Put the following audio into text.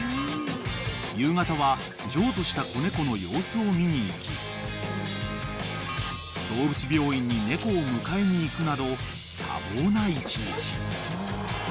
［夕方は譲渡した子猫の様子を見に行き動物病院に猫を迎えに行くなど多忙な一日］